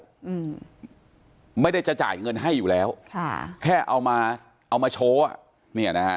อืมไม่ได้จะจ่ายเงินให้อยู่แล้วค่ะแค่เอามาเอามาโชว์อ่ะเนี่ยนะฮะ